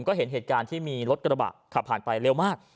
ก็เห็นเหตุการณ์ที่มีรถกระบะขับผ่านไปเร็วมาก